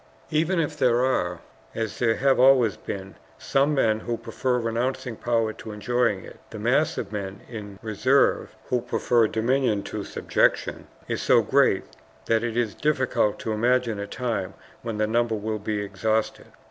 "Even if there are, as there have always been, some men who prefer renouncing power to enjoying it, the mass of men in reserve, who prefer dominion to subjection, is so great that it is difficult to imagine a time when the number will be exhausted.